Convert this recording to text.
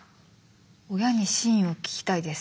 親に真意を聞きたいです。